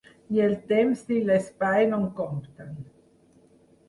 Ni el temps ni l'espai no compten.